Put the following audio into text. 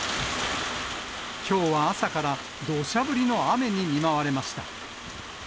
きょうは朝から、どしゃ降りの雨に見舞われました。